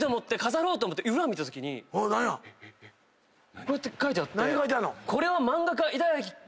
こうやって書いてあって。